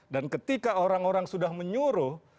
dan ketika orang orang sudah menyuruh